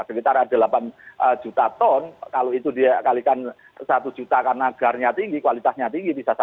sekitar ada delapan juta ton kalau itu dikalikan satu juta karena agarnya tinggi kualitasnya tinggi bisa satu t